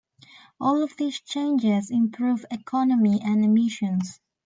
All of these changes improved economy and emissions.